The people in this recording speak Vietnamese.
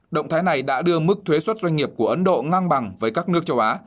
động thái này đã đưa mức thuế xuất doanh nghiệp của ấn độ ngang bằng với các nước châu á